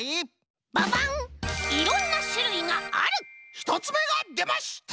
ひとつめがでました！